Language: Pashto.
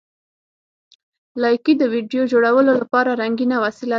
لایکي د ویډیو جوړولو لپاره رنګین وسیله ده.